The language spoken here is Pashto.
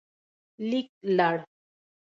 لیکلړ